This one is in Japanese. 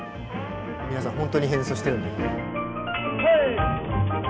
皆さんほんとに変奏してるんで。